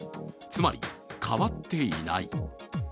つまり変わっていない。